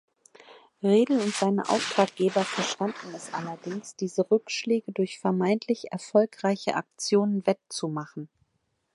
Redl und seine Auftraggeber verstanden es allerdings, diese Rückschläge durch vermeintlich „erfolgreiche Aktionen“ wettzumachen.